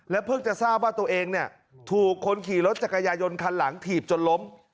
เพิ่งจะทราบว่าตัวเองถูกคนขี่รถจักรยายนคันหลังถีบจนล้ม